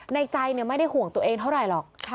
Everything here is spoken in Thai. ในใจไม่ได้ห่วงตัวเองเท่าไหร่หรอก